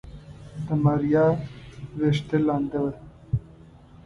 د ماريا ويښته لنده وه.